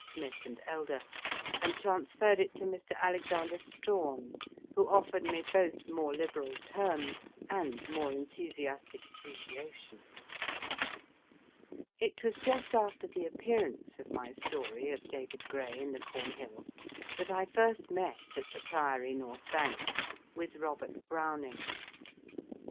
Smith and Elder, and transferred it to Mr. Alexander Strahan, who offered me both more liberal terms and more enthusiastic appreciation. It was just after the appearance of my story of David Gray in the Cornhill that I first met, at the Priory, North Bank, with Robert Browning.